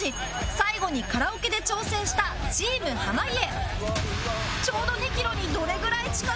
最後にカラオケで調整したチーム濱家